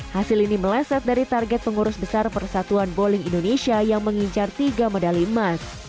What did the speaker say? hasil ini meleset dari target pengurus besar persatuan bowling indonesia yang mengincar tiga medali emas